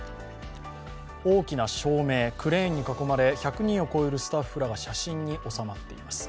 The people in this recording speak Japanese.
大きな照明、クレーンに囲まれ１００人を超えるスタッフらが写真に納まっています。